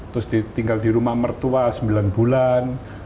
terus tinggal di rumah mertua sembilan bulan